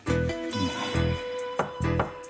うん。